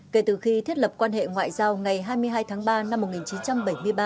kể từ khi thiết lập quan hệ ngoại giao ngày hai mươi hai tháng ba năm một nghìn chín trăm bảy mươi ba